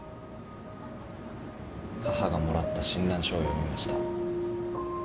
母がもらった診断書を読みました。